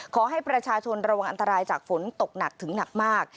ขอให้ประชาชนระวังอันตรายจากฝนตกหนักถึงหนักมาก